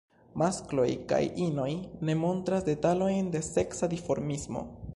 Maskloj kaj inoj ne montras detalojn de seksa dimorfismo.